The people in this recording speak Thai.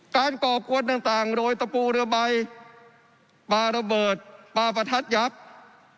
ก่อกวนต่างโดยตะปูเรือใบปลาระเบิดปลาประทัดยับ